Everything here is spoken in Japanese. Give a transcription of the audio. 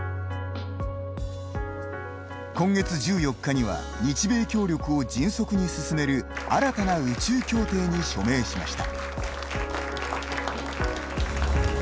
今月１４日には日米協力を迅速に進める新たな宇宙協定に署名しました。